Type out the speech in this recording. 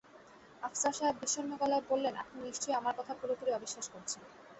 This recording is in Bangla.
আফসার সাহেব বিষণ্ণ গলায় বললেন, আপনি নিশ্চয়ই আমার কথা পুরোপুরি অবিশ্বাস করছেন।